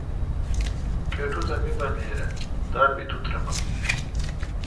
کٹو تہ۔ می بندیر اے°،دان بی تو ترمکون